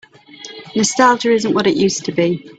Nostalgia isn't what it used to be.